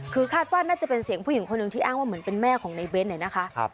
คือคาดว่าน่าจะเป็นเสียงผู้หญิงคนหนึ่งที่อ้างว่าเหมือนเป็นแม่ของในเบ้นเนี่ยนะคะ